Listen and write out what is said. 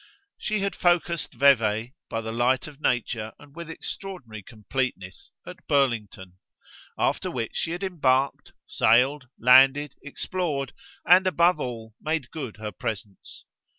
She had focussed Vevey, by the light of nature and with extraordinary completeness, at Burlington; after which she had embarked, sailed, landed, explored and, above all, made good her presence.